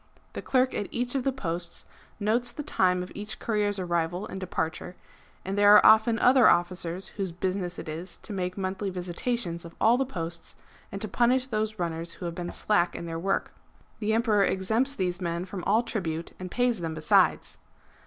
^ The clerk at each of the posts notes the time of each courier's arrival and departure ; and there are often other officers whose business it is to make monthly visitations of all the posts, and to punish those runners who have been slack in their work.^) The Emperor exempts these men from all tribute, and pays them besides.